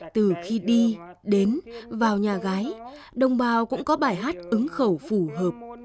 từ khi đi đến vào nhà gái đồng bào cũng có bài hát ứng khẩu phù hợp